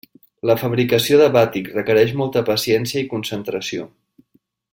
La fabricació de bàtik requereix molta paciència i concentració.